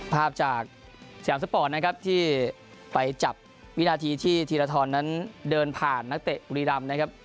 ภาพจากสยามสปอร์ตนะครับที่ไปจับวินาทีที่ธีรทรนั้นเดินผ่านนักเตะบุรีรำนะครับ